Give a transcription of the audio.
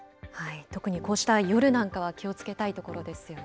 特にこうした夜なんかは気をつけたいところですよね。